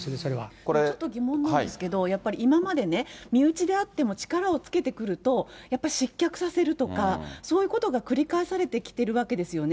ちょっと疑問なんですけど、やっぱり今までね、身内であっても、力をつけてくると、やっぱり失脚させるとか、そういうことが繰り返されてきてるわけですよね。